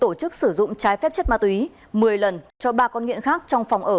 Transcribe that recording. hồ văn được cũng tổ chức sử dụng trái phép chất ma túy một mươi lần cho ba con nghiện khác trong phòng ở